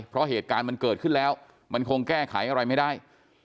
เพราะเหตุการณ์มันเกิดขึ้นแล้วมันคงแก้ไขอะไรไม่ได้